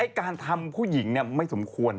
ไอ้การทำผู้หญิงเนี่ยไม่สมควร